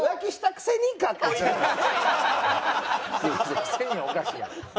「くせに」はおかしいやろ。